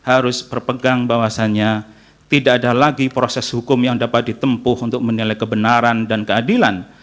harus berpegang bahwasannya tidak ada lagi proses hukum yang dapat ditempuh untuk menilai kebenaran dan keadilan